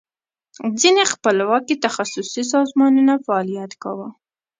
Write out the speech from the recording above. ځینې خپلواکي تخصصي سازمانونو فعالیت کاو.